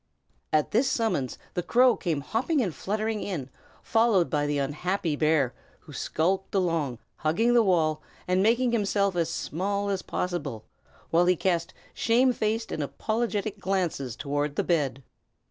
At this summons the crow came hopping and fluttering in, followed by the unhappy bear, who skulked along, hugging the wall and making himself as small as possible, while he cast shamefaced and apologetic glances toward the bed.